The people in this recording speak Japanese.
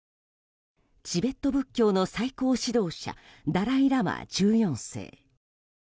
チベット仏教の最高指導者ダライ・ラマ１４世。